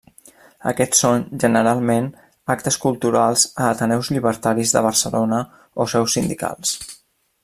Aquests són, generalment, actes culturals a ateneus llibertaris de Barcelona o seus sindicals.